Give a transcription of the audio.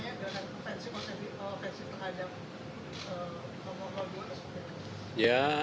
dengan pensi pensi terhadap komod komodnya seperti apa